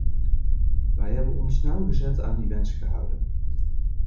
Wij hebben ons nauwgezet aan die wens gehouden.